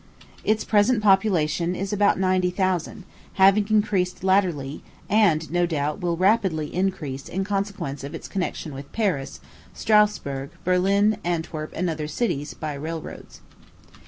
Its present population is about ninety thousand, having increased latterly, and, no doubt, will rapidly increase, in consequence of its connection with Paris, Strasburg, Berlin, Antwerp, and other cities, by railroads.